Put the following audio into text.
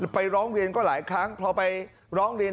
ไปร้องเรียนก็หลายครั้งพอไปร้องเรียน